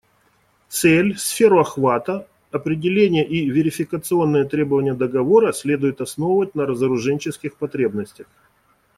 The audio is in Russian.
Цель, сферу охвата, определение и верификационные требования договора следует основывать на разоруженческих потребностях.